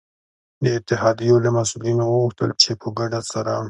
د اتحادیو له مسؤلینو وغوښتل چي په ګډه سره